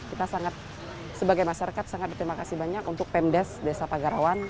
kita sangat sebagai masyarakat sangat berterima kasih banyak untuk pemdes desa pagarawan